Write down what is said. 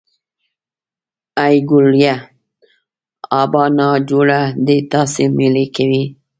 ای ګوليه ابا نا جوړه دی تاسې مېلې کوئ.